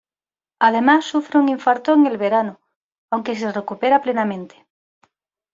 Además, sufre un infarto en el verano, aunque se recupera plenamente.